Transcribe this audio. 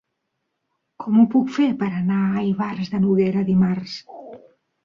Com ho puc fer per anar a Ivars de Noguera dimarts?